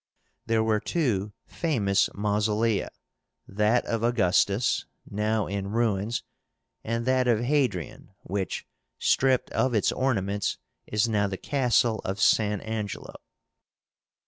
There were two famous MAUSOLÉA, that of Augustus, now in ruins, and that of Hadrian, which, stripped of its ornaments, is now the Castle of San Angelo.